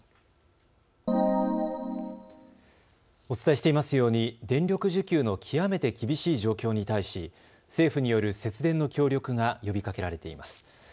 お伝えしていますように電力需給の極めて厳しい状況に対し政府による節電の協力が呼びかけられています。